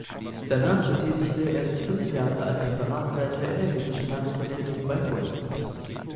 Danach betätigte er sich fünf Jahre als Referatsleiter in der Hessischen Landesvertretung beim Bund.